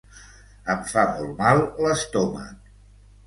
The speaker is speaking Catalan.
Em fa molt mal l'estómac.